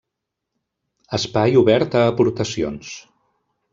Espai obert a aportacions.